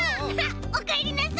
おかえりなさい！